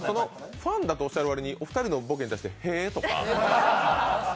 ファンだとおっしゃるわりにお二人のボケに「へえ」とか。